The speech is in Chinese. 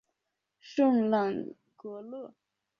圣赖格勒。